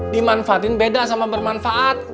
dimanfaatin beda sama bermanfaat